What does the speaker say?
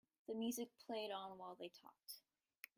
The music played on while they talked.